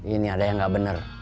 ini ada yang nggak benar